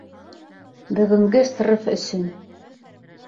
Бөгөнгө срыв өсөн!